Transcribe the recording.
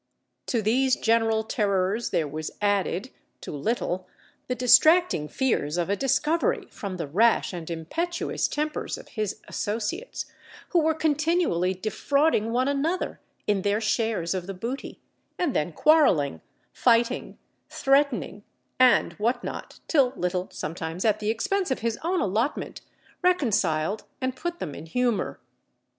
To these general terrors there was added, to Little, the distracting fears of a discovery from the rash and impetuous tempers of his associates, who were continually defrauding one another in their shares of the booty, and then quarrelling, fighting, threatening, and what not, till Little sometimes at the expense of his own allotment, reconciled and put them in humour.